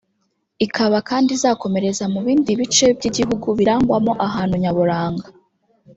ikaba kandi izakomereza mu bindi bice by’igihugu birangwamo ahantu nyaburanga